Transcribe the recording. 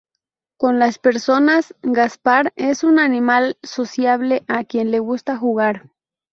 Con las personas, Gaspar es un animal sociable a quien le gusta jugar.